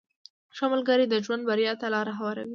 • ښه ملګری د ژوند بریا ته لاره هواروي.